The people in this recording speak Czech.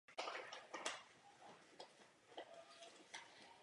Nyní nese institut jeho jméno.